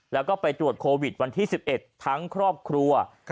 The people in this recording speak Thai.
แล้วก็ไปตรวจโควิดวันที่๑๑ทั้งครอบครัว